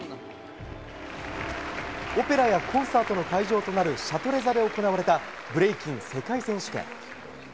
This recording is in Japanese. オペラやコンサートの会場となるシャトレ座で行われたブレイキン世界選手権。